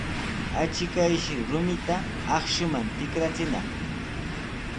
Achkayshi rumita akshuman tikrachinaq.